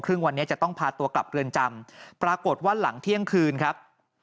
วันนี้จะต้องพาตัวกลับเรือนจำปรากฏว่าหลังเที่ยงคืนครับ